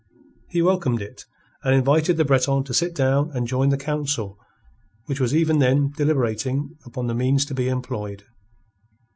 He welcomed it, and invited the Breton to sit down and join the council which was even then deliberating upon the means to be employed.